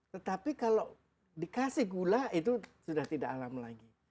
tetapi kalau dikasih gula itu sudah tidak alam lagi